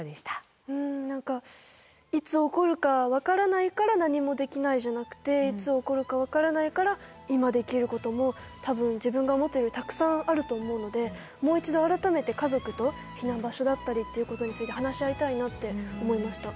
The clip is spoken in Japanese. うん何かいつ起こるか分からないから何もできないじゃなくていつ起こるか分からないから今できることも多分自分が思っているよりたくさんあると思うのでもう一度改めて家族と避難場所だったりっていうことについて話し合いたいなって思いました。